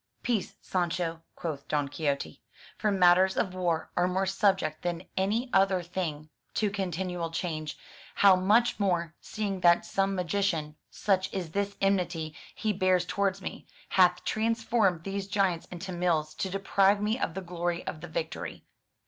94 FROM THE TOWER WINDOW "Peace, Sancho/' quoth Don Quixote; "for matters of war are more subject than any other thing to continual change; how much more, seeing that some magician — such is the enmity he bears towards me — hath transformed these giants into mills to deprive me of the glory of the victory.